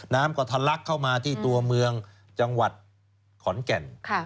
น้ำก็ทะลักเข้ามาที่ตัวเมืองจังหวัดขอนแก่น